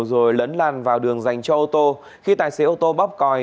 rồi lẫn lằn vào đường dành cho ô tô khi tài xế ô tô bóp coi